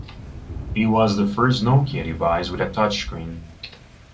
It was the first Nokia device with a touchscreen.